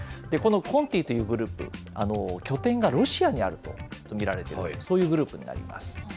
このＣｏｎｔｉというグループ、拠点がロシアにあると見られている、そういうグループになります。